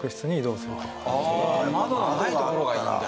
ああ窓のない所がいいんだ。